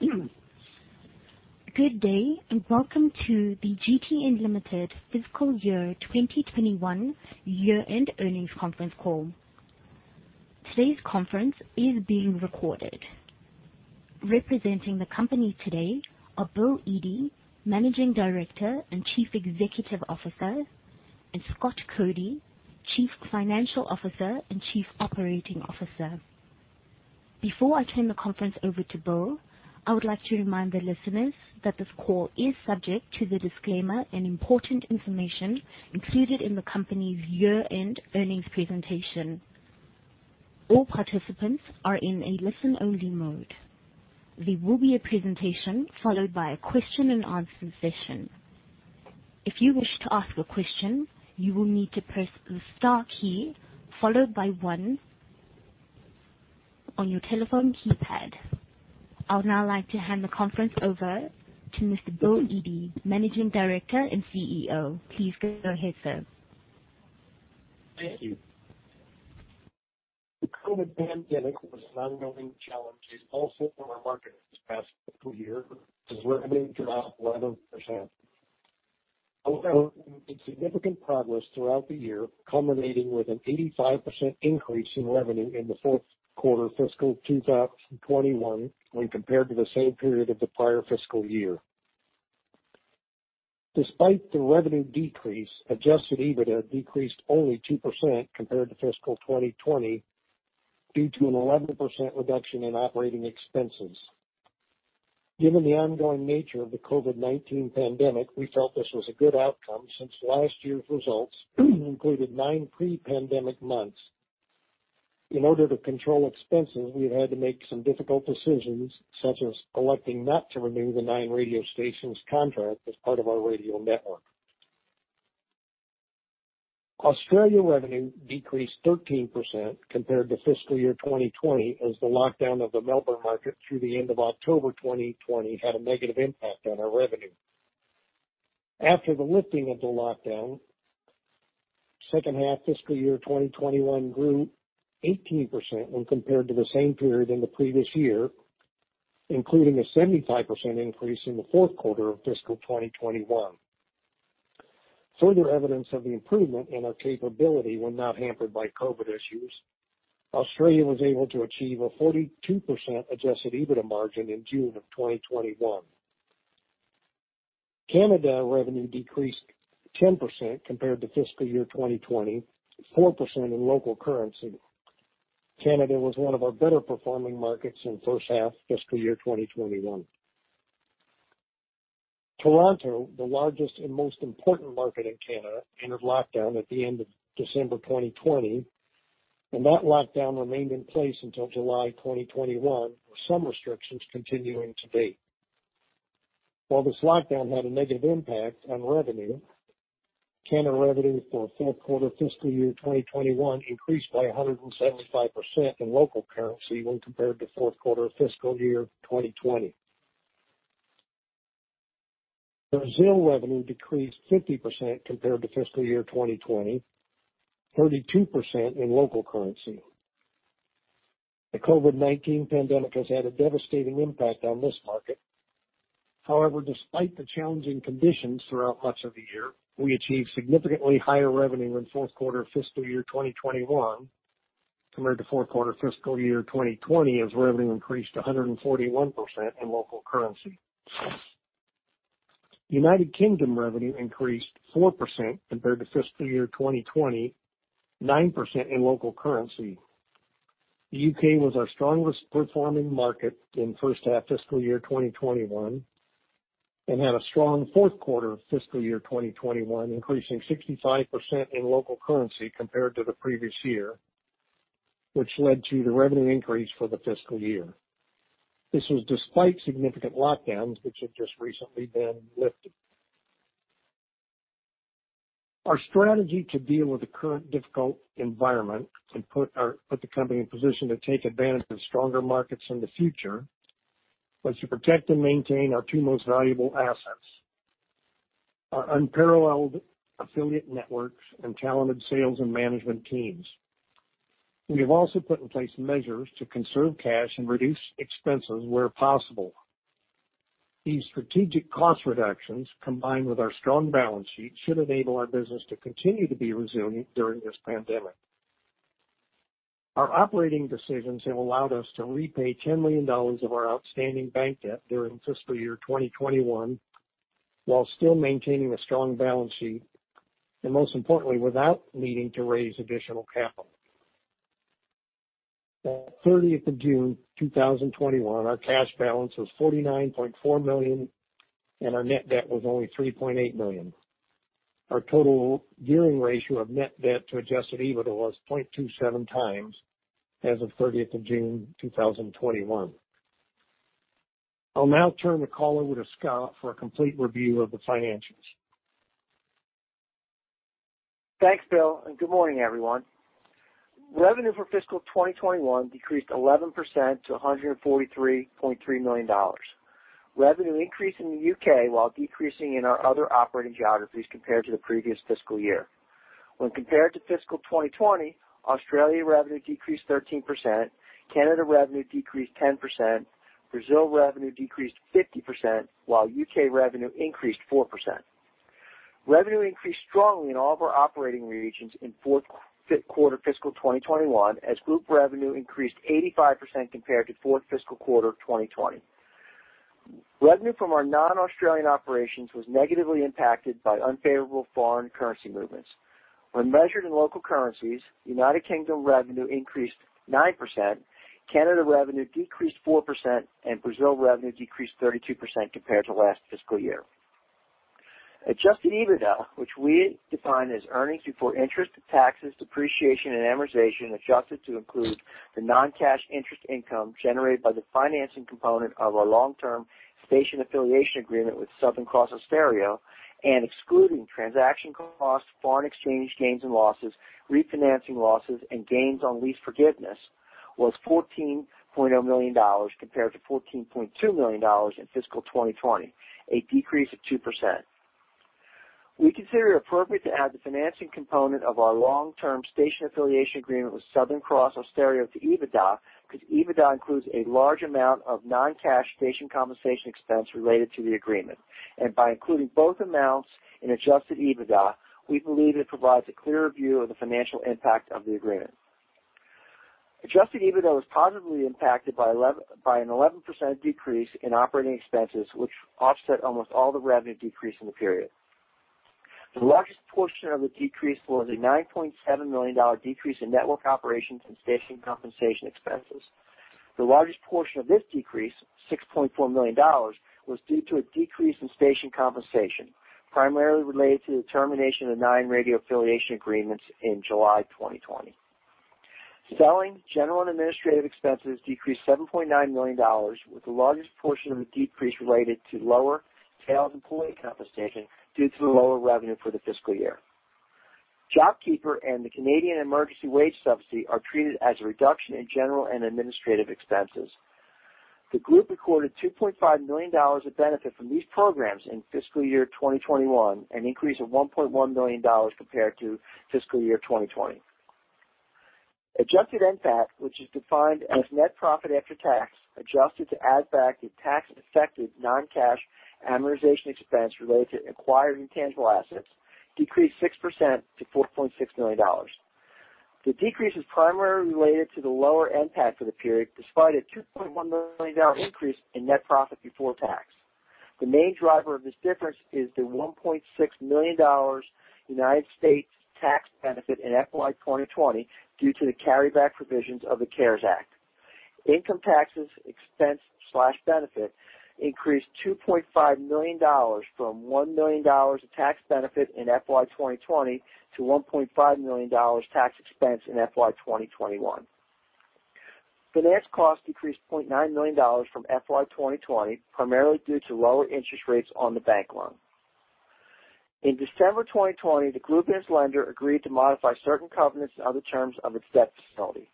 Good day, and welcome to the GTN Limited fiscal year 2021 year-end earnings conference call. Today's conference is being recorded. Representing the company today are Bill Yde, Managing Director and Chief Executive Officer, and Scott Cody, Chief Financial Officer and Chief Operating Officer. Before I turn the conference over to Bill, I would like to remind the listeners that this call is subject to the disclaimer and important information included in the company's year-end earnings presentation. I would now like to hand the conference over to Mr. Bill Yde, Managing Director and CEO. Please go ahead, sir. Thank you. The COVID-19 pandemic was an ongoing challenge and also for our market this past fiscal year as revenue dropped 11%. However, we made significant progress throughout the year, culminating with an 85% increase in revenue in the fourth quarter of fiscal 2021 when compared to the same period of the prior fiscal year. Despite the revenue decrease, adjusted EBITDA decreased only 2% compared to fiscal 2020 due to an 11% reduction in operating expenses. Given the ongoing nature of the COVID-19 pandemic, we felt this was a good outcome since last year's results included nine pre-pandemic months. In order to control expenses, we have had to make some difficult decisions, such as electing not to renew the Nine radio stations contract as part of our radio network. Australia revenue decreased 13% compared to FY 2020 as the lockdown of the Melbourne market through the end of October 2020 had a negative impact on our revenue. After the lifting of the lockdown, second half FY 2021 grew 18% when compared to the same period in the previous year, including a 75% increase in the fourth quarter of FY 2021. Further evidence of the improvement in our capability when not hampered by COVID-19 issues, Australia was able to achieve a 42% adjusted EBITDA margin in June of 2021. Canada revenue decreased 10% compared to FY 2020, 4% in local currency. Canada was one of our better-performing markets in the first half FY 2021. Toronto, the largest and most important market in Canada, entered lockdown at the end of December 2020, and that lockdown remained in place until July 2021, with some restrictions continuing today. While this lockdown had a negative impact on revenue, Canada revenue for fourth quarter fiscal year 2021 increased by 175% in local currency when compared to fourth quarter of fiscal year 2020. Brazil revenue decreased 50% compared to fiscal year 2020, 32% in local currency. The COVID-19 pandemic has had a devastating impact on this market. However, despite the challenging conditions throughout much of the year, we achieved significantly higher revenue in the fourth quarter of fiscal year 2021 compared to fourth quarter of fiscal year 2020, as revenue increased 141% in local currency. United Kingdom revenue increased 4% compared to fiscal year 2020, 9% in local currency. The U.K. was our strongest-performing market in the first half fiscal year 2021 and had a strong fourth quarter of fiscal year 2021, increasing 65% in local currency compared to the previous year, which led to the revenue increase for the fiscal year. This was despite significant lockdowns, which have just recently been lifted. Our strategy to deal with the current difficult environment and put the company in position to take advantage of stronger markets in the future was to protect and maintain our two most valuable assets, our unparalleled affiliate networks and talented sales and management teams. We have also put in place measures to conserve cash and reduce expenses where possible. These strategic cost reductions, combined with our strong balance sheet, should enable our business to continue to be resilient during this pandemic. Our operating decisions have allowed us to repay 10 million dollars of our outstanding bank debt during fiscal year 2021 while still maintaining a strong balance sheet, and most importantly, without needing to raise additional capital. At June 30th, 2021, our cash balance was 49.4 million, and our net debt was only 3.8 million. Our total gearing ratio of net debt to adjusted EBITDA was 0.27x as of 30th of June 2021. I'll now turn the call over to Scott Cody for a complete review of the financials. Thanks, Bill, and good morning, everyone. Revenue for fiscal 2021 decreased 11% to 143.3 million dollars. Revenue increased in the U.K. while decreasing in our other operating geographies compared to the previous fiscal year. When compared to fiscal 2020, Australia revenue decreased 13%, Canada revenue decreased 10%, Brazil revenue decreased 50%, while U.K. revenue increased 4%. Revenue increased strongly in all of our operating regions in fourth quarter fiscal 2021, as group revenue increased 85% compared to fourth fiscal quarter of 2020. Revenue from our non-Australian operations was negatively impacted by unfavorable foreign currency movements. When measured in local currencies, United Kingdom revenue increased 9%, Canada revenue decreased 4%, and Brazil revenue decreased 32% compared to last fiscal year . Adjusted EBITDA, which we define as earnings before interest, taxes, depreciation, and amortization, adjusted to include the non-cash interest income generated by the financing component of our long-term station affiliation agreement with Southern Cross Austereo, and excluding transaction costs, foreign exchange gains and losses, refinancing losses, and gains on lease forgiveness, was 14.0 million dollars compared to 14.2 million dollars in fiscal 2020, a decrease of 2%. We consider it appropriate to add the financing component of our long-term station affiliation agreement with Southern Cross Austereo to EBITDA, because EBITDA includes a large amount of non-cash station compensation expense related to the agreement. By including both amounts in adjusted EBITDA, we believe it provides a clearer view of the financial impact of the agreement. Adjusted EBITDA was positively impacted by an 11% decrease in operating expenses, which offset almost all the revenue decrease in the period. The largest portion of the decrease was an 9.7 million dollar decrease in network operations and station compensation expenses. The largest portion of this decrease, 6.4 million dollars, was due to a decrease in station compensation, primarily related to the termination of nine radio affiliation agreements in July 2020. Selling, general, and administrative expenses decreased 7.9 million dollars, with the largest portion of the decrease related to lower sales employee compensation due to the lower revenue for the fiscal year. JobKeeper and the Canadian Emergency Wage Subsidy are treated as a reduction in general and administrative expenses. The group recorded 2.5 million dollars of benefit from these programs in fiscal year 2021, an increase of 1.1 million dollars compared to fiscal year 2020. Adjusted NPAT, which is defined as net profit after tax, adjusted to add back the tax-affected non-cash amortization expense related to acquired intangible assets, decreased 6% to 4.6 million dollars. The decrease is primarily related to the lower NPAT for the period, despite a 2.1 million dollar increase in net profit before tax. The main driver of this difference is the $1.6 million U.S. tax benefit in FY 2020 due to the carryback provisions of the CARES Act.Income taxes expense/benefit increased 2.5 million dollars from 1 million dollars of tax benefit in FY 2020 to 1.5 million dollars tax expense in FY 2021. Finance costs decreased 0.9 million dollars from FY 2020, primarily due to lower interest rates on the bank loan. In December 2020, the group and its lender agreed to modify certain covenants and other terms of its debt facility.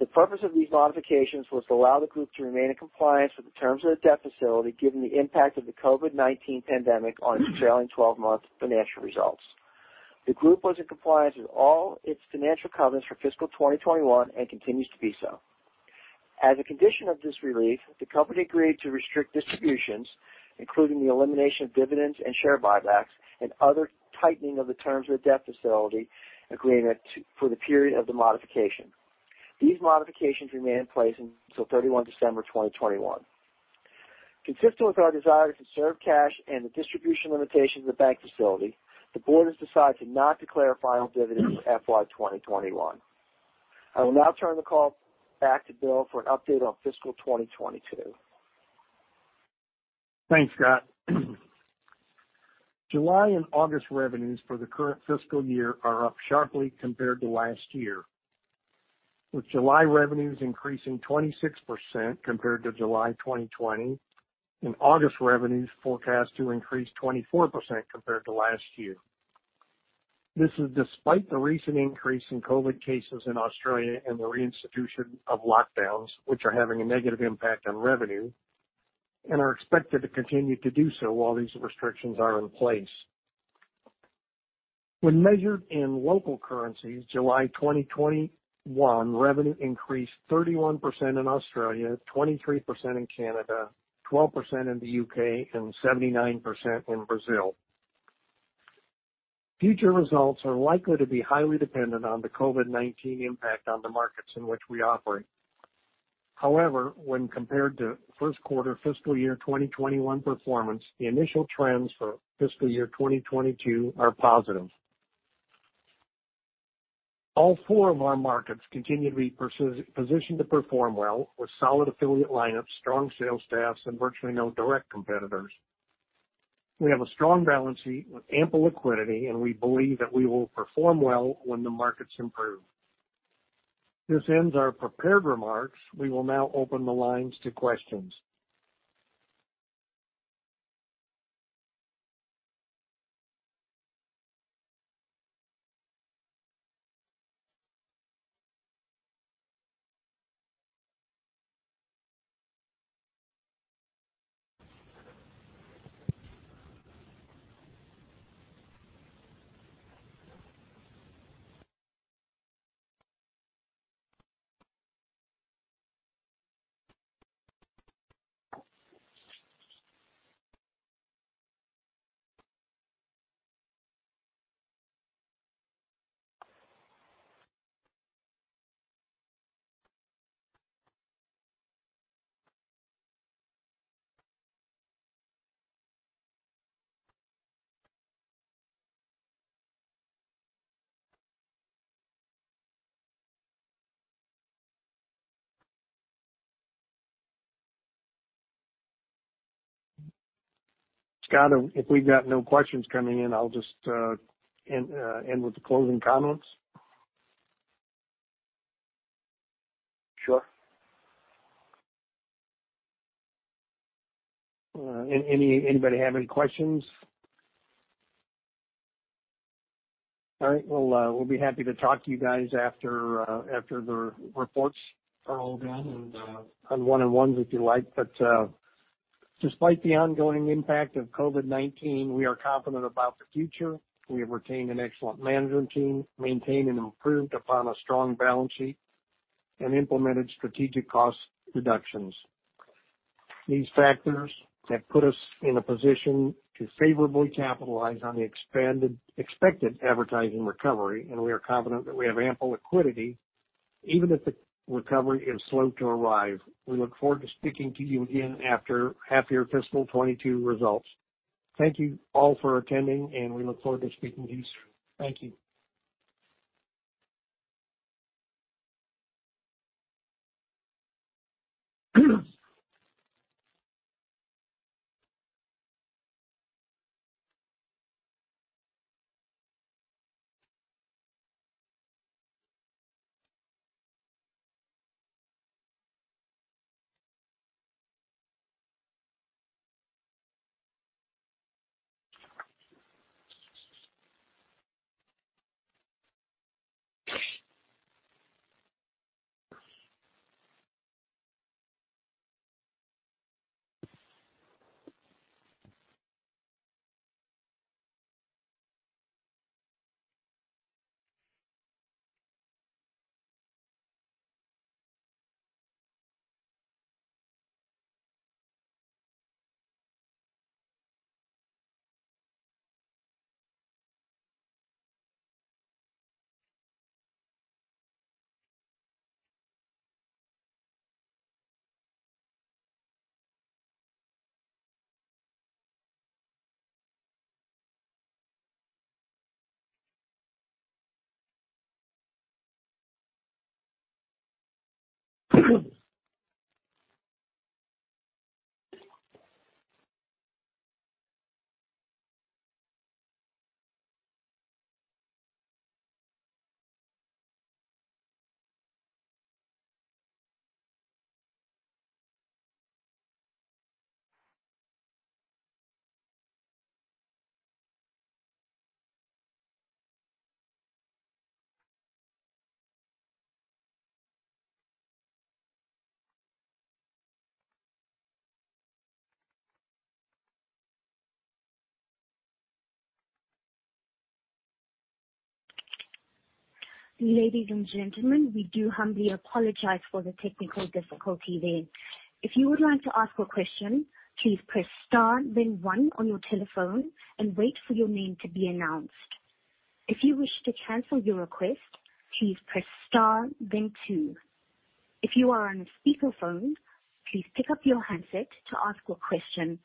The purpose of these modifications was to allow the group to remain in compliance with the terms of the debt facility, given the impact of the COVID-19 pandemic on its trailing 12-month financial results. The group was in compliance with all its financial covenants for fiscal 2021 and continues to be so. As a condition of this relief, the company agreed to restrict distributions, including the elimination of dividends and share buybacks and other tightening of the terms of the debt facility agreement for the period of the modification. These modifications remain in place until December 31, 2021. Consistent with our desire to conserve cash and the distribution limitations of the bank facility, the board has decided to not declare a final dividend for FY 2021. I will now turn the call back to Bill for an update on fiscal 2022. Thanks, Scott. July and August revenues for the current fiscal year are up sharply compared to last year, with July revenues increasing 26% compared to July 2020 and August revenues forecast to increase 24% compared to last year. This is despite the recent increase in COVID cases in Australia and the reinstitution of lockdowns, which are having a negative impact on revenue and are expected to continue to do so while these restrictions are in place. When measured in local currencies, July 2021 revenue increased 31% in Australia, 23% in Canada, 12% in the U.K., and 79% in Brazil. Future results are likely to be highly dependent on the COVID-19 impact on the markets in which we operate. When compared to first quarter fiscal year 2021 performance, the initial trends for fiscal year 2022 are positive. All four of our markets continue to be positioned to perform well with solid affiliate lineups, strong sales staffs, and virtually no direct competitors. We have a strong balance sheet with ample liquidity. We believe that we will perform well when the markets improve. This ends our prepared remarks. We will now open the lines to questions. Scott, if we've got no questions coming in, I'll just end with the closing comments. Sure. Anybody have any questions? All right. Well, we'll be happy to talk to you guys after the reports are all done and on one-on-ones if you like. Despite the ongoing impact of COVID-19, we are confident about the future. We have retained an excellent management team, maintained and improved upon a strong balance sheet, and implemented strategic cost reductions. These factors have put us in a position to favorably capitalize on the expected advertising recovery, and we are confident that we have ample liquidity even if the recovery is slow to arrive. We look forward to speaking to you again after half year FY 2022 results. Thank you all for attending, and we look forward to speaking to you soon. Thank you. Ladies and gentlemen, we do humbly apologize for the technical difficulty there. If you would like to ask a question, please press star then one on your telephone and wait for your name to be announced. If you wish to cancel your request, please press star then two. If you are on speakerphone, please pick up your handset to ask a question.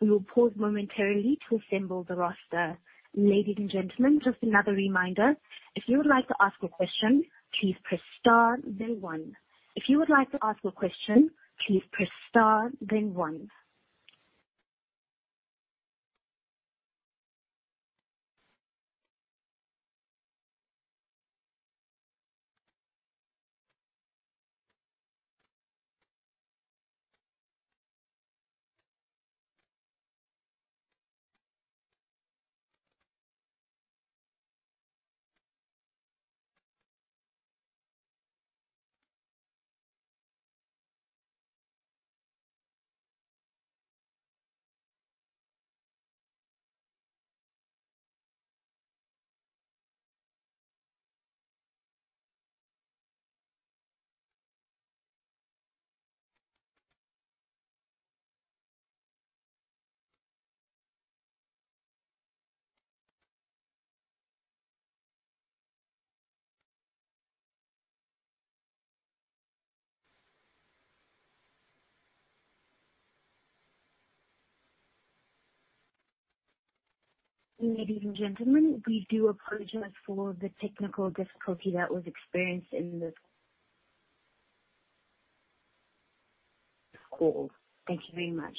We will pause momentarily to assemble the roster. Ladies and gentlemen, just another reminder, if you would like to ask a question, please press star then one. If you would like to ask a question, please press star then one. Ladies and gentlemen, we do apologize for the technical difficulty that was experienced in this call. Thank you very much.